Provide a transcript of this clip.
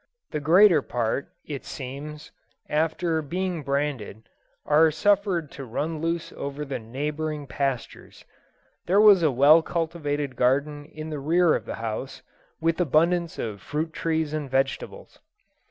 The greater part, it sterns, after being branded, are suffered to run loose over the neighbouring pastures. There was a well cultivated garden in the rear of the house, with abundance of fruit trees and vegetables.